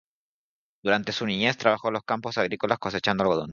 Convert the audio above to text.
Durante su niñez trabajó en los campos agrícolas cosechando algodón.